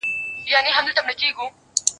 نورو ټولو به وهل ورته ټوپونه